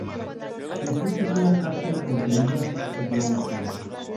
El fruto es una cápsula con semillas oblongas.